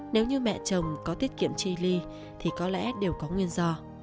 nếu như mẹ chồng có tiết kiệm chi ly thì có lẽ đều có nguyên do